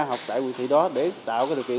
học tại quyền thị đó để tạo cái điều kiện